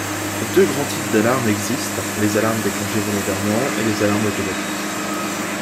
Deux grands types d’alarmes existent, les alarmes déclenchées volontairement et les alarmes automatiques.